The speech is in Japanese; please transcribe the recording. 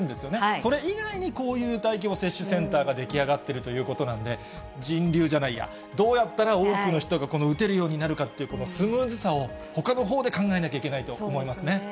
それ以外に、こういう大規模接種センターが出来上がってるということなんで、人流じゃないや、どうやったら多くの人が、打てるようになるかっていう、このスムーズさを、ほかのほうでそうですね。